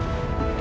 apa yang ada